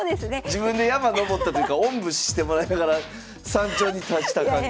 自分で山登ったというかおんぶしてもらいながら山頂に達した感じ。